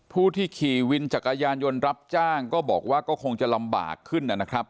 ผู้ที่ขี่วินจักรยานยนต์รับจ้างก็บอกว่าก็คงจะลำบากขึ้นนะครับ